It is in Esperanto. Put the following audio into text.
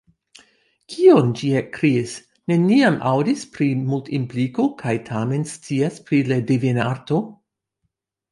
"Kion?" Ĝi ekkriis "neniam aŭdis pri Multimpliko kaj tamen scias pri la Divenarto? »